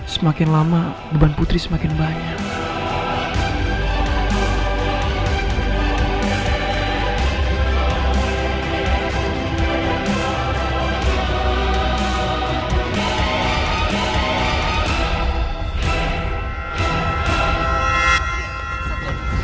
semakin lama beban putri semakin banyak